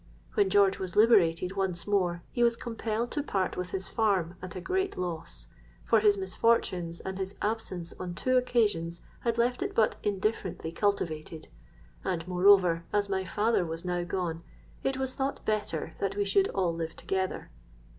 When George was liberated once more, he was compelled to part with his farm at a great loss; for his misfortunes and his absence on two occasions had left it but indifferently cultivated; and, moreover, as my father was now gone, it was thought better that we should all live together.